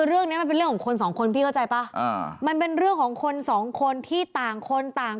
เอาจริงนะพี่ผมไม่อยากยุ่ง